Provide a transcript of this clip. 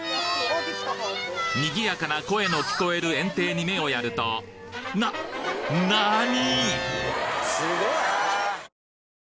賑やかな声の聞こえる園庭に目をやるとななに！？